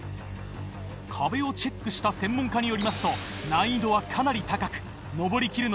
壁をチェックした専門家によりますと難易度はかなり高く。